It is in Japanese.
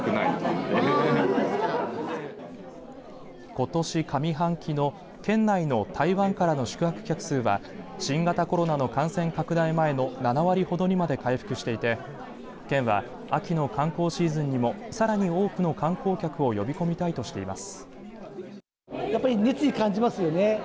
ことし上半期の県内の台湾からの宿泊客数は新型コロナの感染拡大前の７割ほどにまで回復していて県は、秋の観光シーズンにもさらに多くの観光客を呼び込みたいとしています。